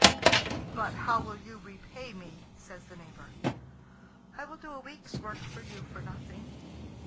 "But how will you repay me?" says the neighbour. "I will do a week's work for you for nothing."